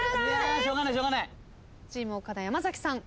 チーム岡田山崎さん